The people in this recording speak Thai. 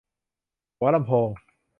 หัวลำโพง